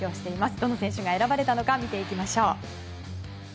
どの選手が選ばれたのか見ていきましょう。